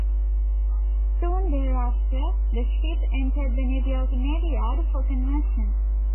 Soon thereafter, the ship entered the New York Navy Yard for conversion.